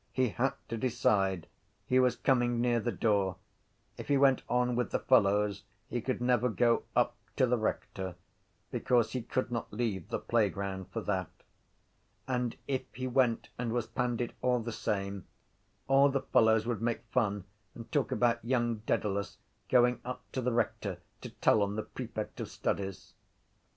He had to decide. He was coming near the door. If he went on with the fellows he could never go up to the rector because he could not leave the playground for that. And if he went and was pandied all the same all the fellows would make fun and talk about young Dedalus going up to the rector to tell on the prefect of studies.